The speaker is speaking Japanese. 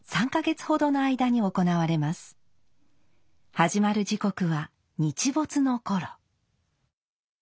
始まる時刻は日没の頃。